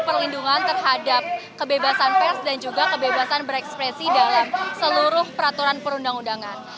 perlindungan terhadap kebebasan pers dan juga kebebasan berekspresi dalam seluruh peraturan perundang undangan